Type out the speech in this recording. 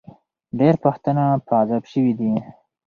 ډېر پښتانه په عذاب سوي دي.